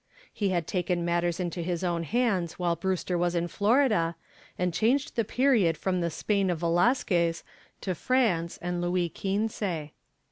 He had taken matters into his own hands while Brewster was in Florida, and changed the period from the Spain of Velasquez to France and Louis Quinze.